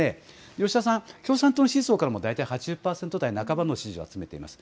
吉田さん共産党の支持層からも８０％台半ばの支持を集めています。